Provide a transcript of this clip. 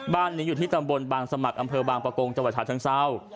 บ้านนี้อยู่ที่ตำบลบางสมัครอำเภอบางประกงจังหวัดฉาเชิงเศร้า